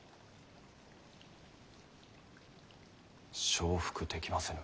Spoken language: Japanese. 承服できませぬ。